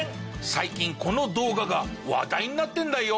最近この動画が話題になってるんだよ。